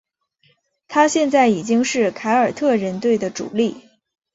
他现在已经是凯尔特人队的主力。